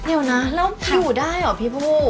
เดี๋ยวนะแล้วอยู่ได้เหรอพี่ผู้